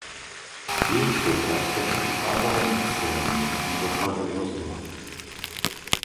Jejich soupeř se však ukázal být silným a nedokázali ho zdolat.